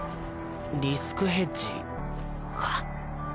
リスクヘッジか。